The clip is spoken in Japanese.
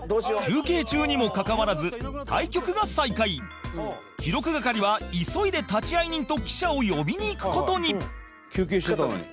休憩中にもかかわらず対局が再開記録係は、急いで立会人と記者を呼びに行く事に伊達：休憩してたのに。